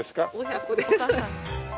親子です。